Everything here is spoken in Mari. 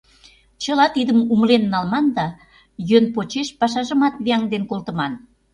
Чыла тидым умылен налман да йӧн почеш пашажымат, вияҥден колтыман.